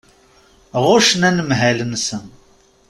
Ɣuccen anemhal-nsen.